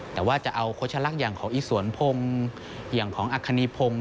แต่ว่าจะเอาโฆษลักษณ์อย่างของอีสวนพงศ์อย่างของอัคคณีพงศ์